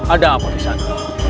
ada apa disana